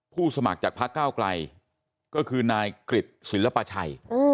สมัครจากพระเก้าไกลก็คือนายกริจศิลปชัย